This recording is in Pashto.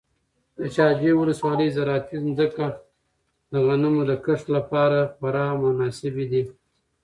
د شاجوی ولسوالۍ زراعتي ځمکې د غنمو د کښت لپاره خورا مناسبې دي.